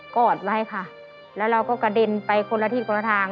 อดไว้ค่ะแล้วเราก็กระเด็นไปคนละทิศคนละทาง